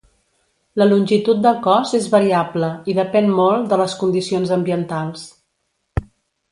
La longitud del cos és variable i depèn molt de les condicions ambientals.